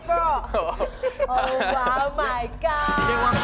โอ้ว้าวมายก็อด